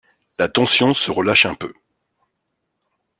La tension se relâche un peu.